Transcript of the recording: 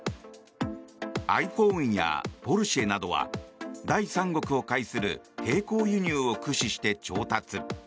ｉＰｈｏｎｅやポルシェなどは第三国を介する並行輸入を駆使して調達。